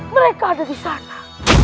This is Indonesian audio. mereka ada disana